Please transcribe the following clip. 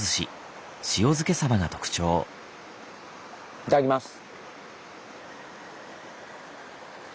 いただきます。